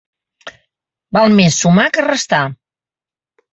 Val més sumar que restar.